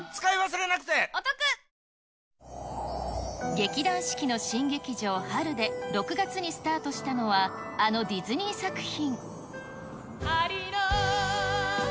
劇団四季の新劇場、春で、６月にスタートしたのは、あのディズニー作品。